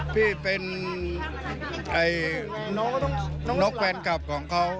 พี่เป็นนกแฟนคลับของเขา